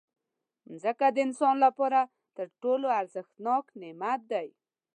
مځکه د انسان لپاره تر ټولو ارزښتناک نعمت دی.